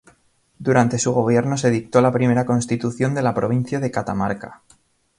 Durante su gobierno se dictó la primera Constitución de la Provincia de Catamarca.